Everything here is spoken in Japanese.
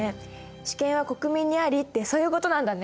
「主権は国民にあり」ってそういうことなんだね。